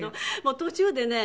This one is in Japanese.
途中でね